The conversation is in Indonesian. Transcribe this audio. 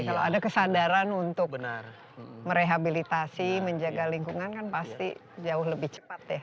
kalau ada kesadaran untuk merehabilitasi menjaga lingkungan kan pasti jauh lebih cepat ya